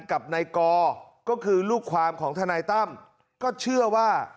กับนายกอก็คือลูกความของทนายตั้มก็เชื่อว่า